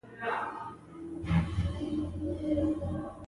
ایله مې هوډ وکړ چې ځان خپلو کوټې ته ورسوم.